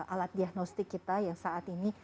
alat diagnostik kita yang saat ini